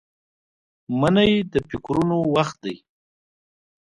منی د فکرونو وخت دی